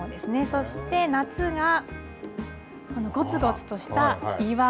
そして、夏が、このごつごつとした岩。